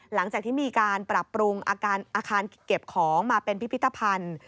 หลังจากที่มีการปรับปรุงอาคารเก็บของมาเป็นพิพิธภัณฑ์